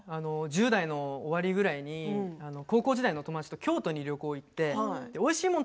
１０代の終わりに高校時代の友達と京都に旅行に行っておいしいもの